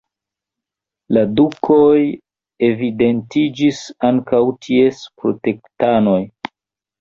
La dukoj evidentiĝis ankaŭ ties protektanoj.